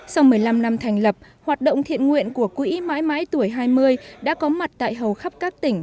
sau một mươi năm năm thành lập hoạt động thiện nguyện của quỹ mãi mãi tuổi hai mươi đã có mặt tại hầu khắp các tỉnh